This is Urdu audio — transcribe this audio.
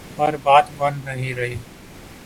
پر بات بن نہیں رہی۔